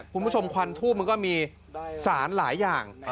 คุณผู้ชมควันทูบมันก็มีสารหลายอย่าง